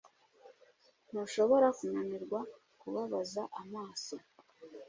ntushobora kunanirwa kubabaza amaso